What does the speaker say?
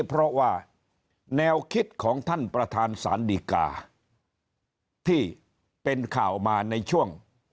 เพราะว่าแนวคิดของท่านประธานศาลดีกาที่เป็นข่าวมาในช่วง